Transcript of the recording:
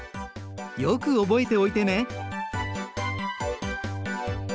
よく覚えておいてね。